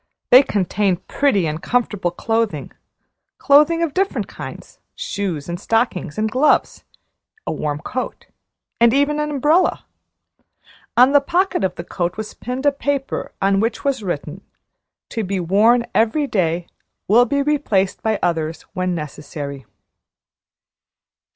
They contained pretty and comfortable clothing, clothing of different kinds; shoes and stockings and gloves, a warm coat, and even an umbrella. On the pocket of the coat was pinned a paper on which was written, "To be worn every day will be replaced by others when necessary."